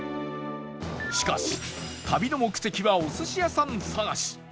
しかし旅の目的はお寿司屋さん探し